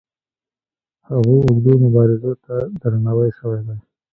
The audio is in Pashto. هغو اوږدو مبارزو ته درناوی شوی دی.